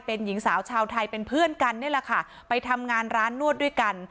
เป็นหญิงสาวชาวไทยเป็นเพื่อนกันนี่แหละค่ะไปทำงานร้านนวดด้วยกัน